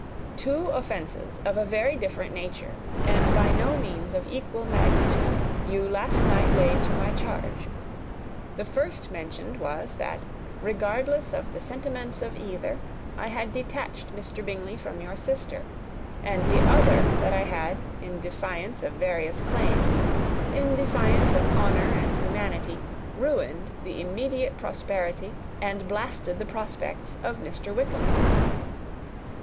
"Two offences of a very different nature, and by no means of equal magnitude, you last night laid to my charge. The first mentioned was, that, regardless of the sentiments of either, I had detached Mr. Bingley from your sister, and the other, that I had, in defiance of various claims, in defiance of honour and humanity, ruined the immediate prosperity and blasted the prospects of Mr. Wickham.